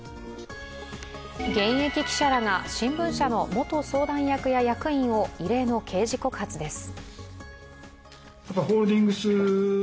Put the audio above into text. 現役記者らが、新聞社の元相談役や役員を異例の刑事告発です。